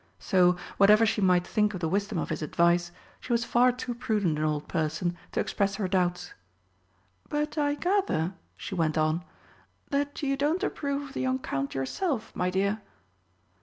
So, whatever she might think of the wisdom of his advice, she was far too prudent an old person to express her doubts. "But I gather," she went on, "that you don't approve of the young Count yourself, my dear?"